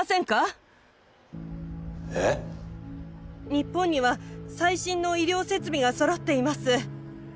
日本には最新の医療設備が揃っています